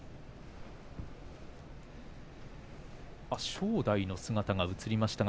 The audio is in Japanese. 正代の姿が見えました。